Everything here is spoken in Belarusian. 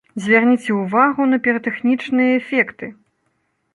Звярніце ўвагу на піратэхнічныя эфекты!